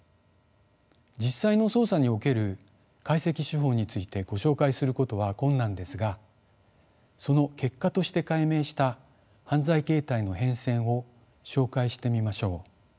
実際の捜査における解析手法についてご紹介することは困難ですがその結果として解明した犯罪形態の変遷を紹介してみましょう。